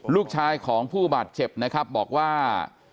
ลูกชายของผู้บาดเจ็บนะครับบอกว่า